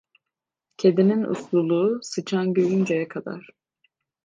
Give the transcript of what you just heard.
Kedinin usluluğu sıçan görünceye kadar.